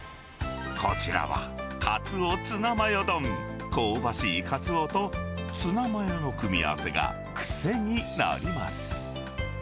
こちらはかつおツナマヨ丼、香ばしいかつおとツナマヨの組み合わせが癖になります。